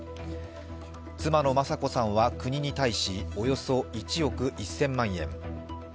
妻の雅子さんは国に対しおよそ１億１０００万円